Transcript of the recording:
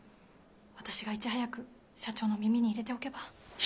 私がいち早く社長の耳に入れておけば。